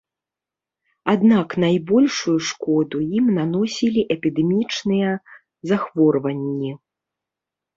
Аднак найбольшую шкоду ім наносілі эпідэмічныя захворванні.